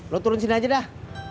lo turun sini aja dah